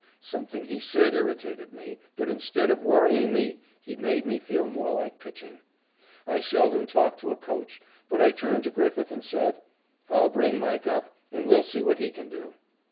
Something he said irritated me, but, instead of worrying me, it made me feel more like pitching. I seldom talk to a coacher, but I turned to Griffith and said: "I'll bring Mike up, and we'll see what he can do."